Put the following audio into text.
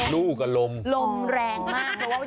ฮือ